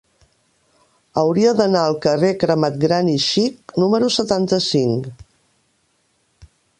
Hauria d'anar al carrer Cremat Gran i Xic número setanta-cinc.